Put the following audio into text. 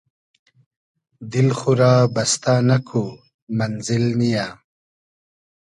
دیل خو رۂ بستۂ نئکو مئنزیل نییۂ